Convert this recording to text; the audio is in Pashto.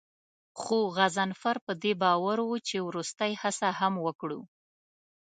خو غضنفر په دې باور و چې وروستۍ هڅه هم وکړو.